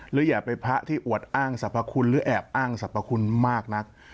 อย่าไปพระที่อวดอ้างสรรพคุณหรือแอบอ้างสรรพคุณมากนัก